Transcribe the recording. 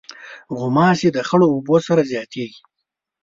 غوماشې د خړو اوبو سره زیاتیږي.